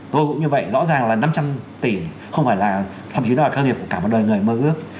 tôi cũng như vậy rõ ràng là năm trăm linh tỷ không phải là thậm chí đòi cao nghiệp của cả một đời người mơ ước